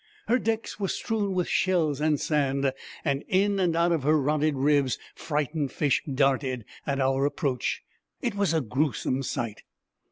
Her decks were strewn with shells and sand, and in and out of her rotted ribs frightened fish darted at our approach. It was a gruesome sight.